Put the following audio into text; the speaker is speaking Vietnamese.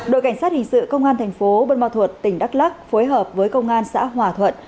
đội cảnh sát hình sự công an tp bân mò thuật tỉnh đắk lắc phối hợp với công an xã hòa thuận